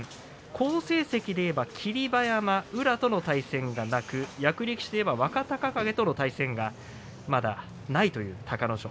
好成績でいえば霧馬山、宇良との対戦がなく役力士でいえば若隆景との対戦がまだないという隆の勝。